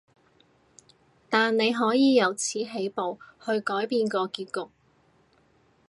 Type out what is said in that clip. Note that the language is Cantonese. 但你可以由此起步，去改變個結局